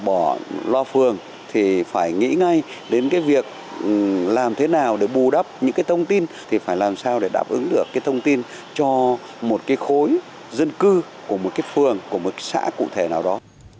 bỏ loa phường thì phải nghĩ ngay đến cái việc làm thế nào để bù đắp những cái thông tin thì phải làm sao để đáp ứng được cái thông tin cho một cái khối dân cư của một cái phường của một xã cụ thể nào đó